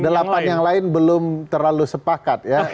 delapan yang lain belum terlalu sepakat ya